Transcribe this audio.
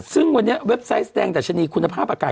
ซึ่งวันนี้เว็บไซต์แสดงดัชนีคุณภาพอากาศ